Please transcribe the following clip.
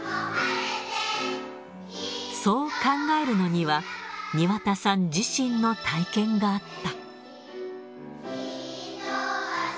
そう考えるのには、庭田さん自身の体験があった。